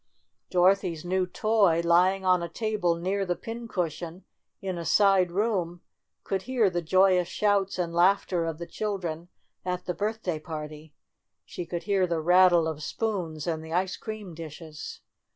" Dorothy's new toy, lying on a table near the pin cushion in a side room, could hear the joyous shouts and laughter of the chil dren at the birthday party. She could hear the rattle of spoons and of the ice cream dishes.